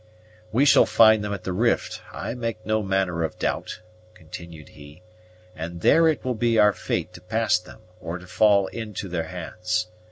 "We shall find them at the rift, I make no manner of doubt," continued he; "and there it will be our fate to pass them, or to fall into their hands.